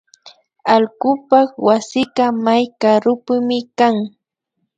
Allkupak wasika may karupimi kan